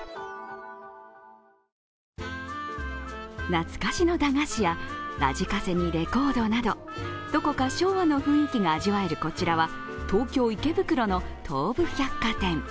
懐かしの駄菓子やラジカセにレコードなどどこか昭和の雰囲気が味わえるこちらは、東京・池袋の東武百貨店。